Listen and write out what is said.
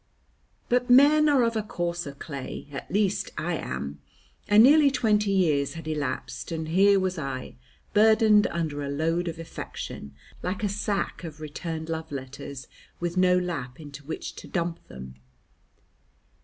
But men are of a coarser clay. At least I am, and nearly twenty years had elapsed, and here was I burdened under a load of affection, like a sack of returned love letters, with no lap into which to dump them.